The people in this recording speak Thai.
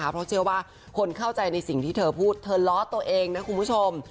เพราะเชื่อว่าคนเข้าใจในสิ่งที่เธอพูดเธอล้อตัวเองนะคุณผู้ชม